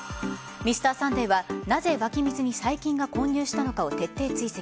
「Ｍｒ．サンデー」はなぜ湧き水に細菌が混入したのかを徹底追跡。